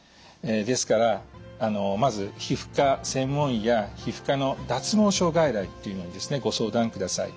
ですからまず皮膚科専門医や皮膚科の脱毛症外来というのにですねご相談ください。